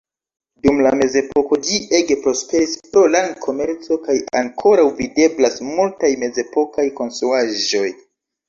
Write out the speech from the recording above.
Dum la mezepoko ĝi ege prosperis pro lan-komerco, kaj ankoraŭ videblas multaj mezepokaj konstruaĵoj.